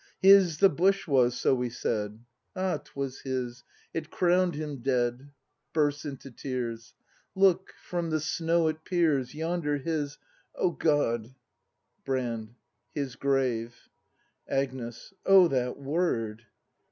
H i s the bush was, so we said ; Ah, 'twas his — it crown'd him dead! [Bursts into tears.] Look, from the snow it peers Yonder, his — O God Brand. His grave. Agnes. O that word